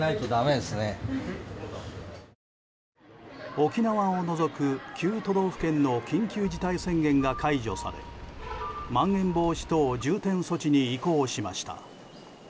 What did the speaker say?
沖縄を除く９都道府県の緊急事態宣言が解除されまん延防止等重点措置に移行しました。